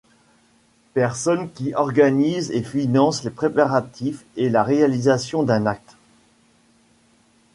Personne qui organise et finance les préparatifs et la réalisation d'un acte.